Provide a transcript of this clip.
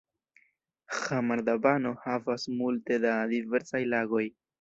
Ĥamar-Dabano havas multe da diversaj lagoj.